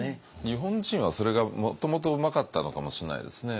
日本人はそれがもともとうまかったのかもしれないですね。